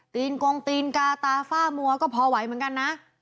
ตีนกงตีนกาตาฝ้ามัวก็พอไหวเหมือนกันนะ